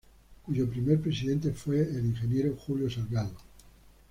Cuyo primer presidente fue el Ing. Julio Salgado.